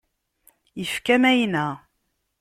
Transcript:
Ifka mayna.